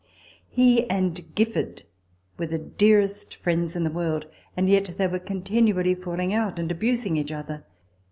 He and Gifford were the dearest friends in the world ; and yet they were continually falling out and abusing each other.